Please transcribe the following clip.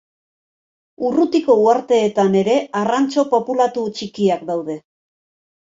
Urrutiko uharteetan ere arrantxo populatu txikiak daude.